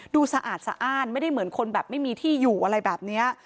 สะอาดสะอ้านไม่ได้เหมือนคนแบบไม่มีที่อยู่อะไรแบบนี้